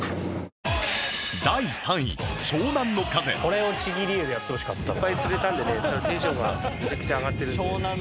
これをちぎり絵でやってほしかったな。